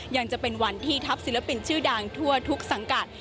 ยังจะเป็นวันที่ทัพศิลปินชื่อดังทั่วทุกสังกัด